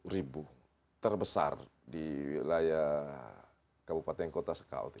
delapan ratus dua puluh tujuh ribu terbesar di wilayah kabupaten kota sekaut